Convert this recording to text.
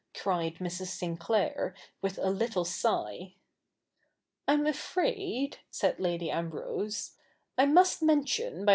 said Mrs. Sinclair, with a little sigh. ' I'm afraid,' said Lady Ambrose, ' I must mention, by CH.